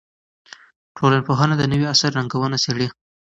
ټولنپوهنه د نوي عصر ننګونې څېړي.